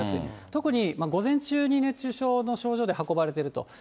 特に午前中に熱中症の症状で運ばれていると。